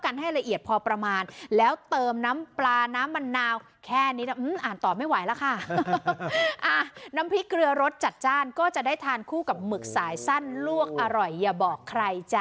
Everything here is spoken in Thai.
น้ำพริกเกลือรสจัดจ้านก็จะได้ทานคู่กับหมึกสายสั้นลวกอร่อยอย่าบอกใครจ้ะ